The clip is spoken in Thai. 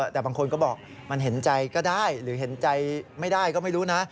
แต่บางคนก็บอกมันเห็นใจก็ได้หรือเห็นใจไม่ได้ก็ไม่รู้นะ